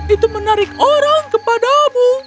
itu menarik orang kepadamu